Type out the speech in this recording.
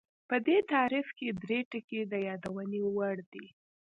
په دې تعریف کې درې ټکي د یادونې وړ دي